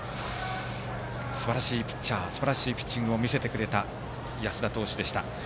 すばらしいピッチャーすばらしいピッチングを見せてくれた安田投手でした。